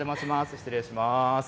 失礼します。